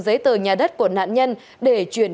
giấy tờ nhà đất của nạn nhân để chuyển